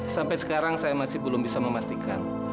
sampai sekarang saya masih belum bisa memastikan